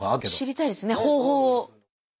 知りたいですね方法を。